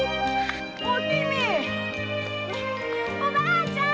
おばあちゃん！